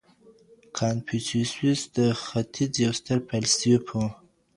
کنفوسیوس د ختیځ یو ستر فیلسوف و.